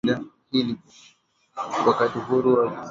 Wakati wa huuru wa wa afrika ya kusini watoto waliuwiwa sana